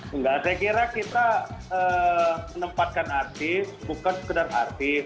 enggak saya kira kita menempatkan artis bukan sekedar artis